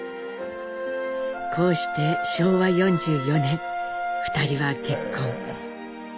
こうして昭和４４年２人は結婚。